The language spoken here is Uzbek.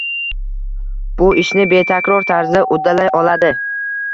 Bu ishni betakror tarzda uddalay oladi